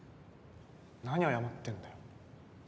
何謝ってんだよ